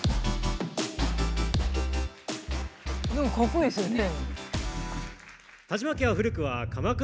何かかっこいいですよね。